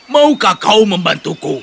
mau kau membantuku